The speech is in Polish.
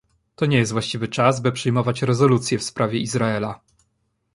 To nie jest właściwy czas, by przyjmować rezolucję w sprawie Izraela